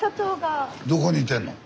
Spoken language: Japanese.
どこにいてんの？